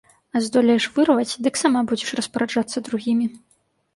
А здолееш вырваць, дык сама будзеш распараджацца другімі.